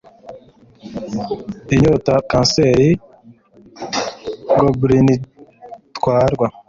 Inyota kanseri goblinitwarwa